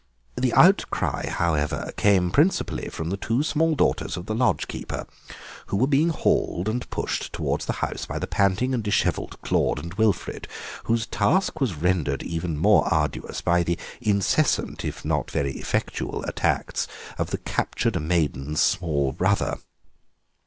The outcry, however, came principally from the two small daughters of the lodge keeper, who were being hauled and pushed towards the house by the panting and dishevelled Claude and Wilfrid, whose task was rendered even more arduous by the incessant, if not very effectual, attacks of the captured maidens' small brother.